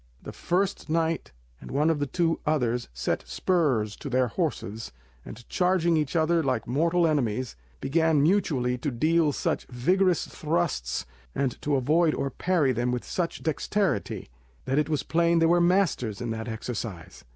The first knight and one of the two others set spurs to their horses, and charging each other like mortal enemies, began mutually to deal such vigorous thrusts, and to avoid or parry them with such dexterity, that it was plain they were masters in that exercise.